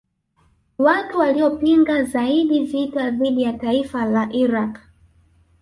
Watu waliopinga zaidi vita dhidi ya taifa la Iraq